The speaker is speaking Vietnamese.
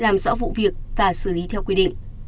làm rõ vụ việc và xử lý theo quy định